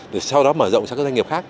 thì sau đó mở rộng sang các doanh nghiệp khác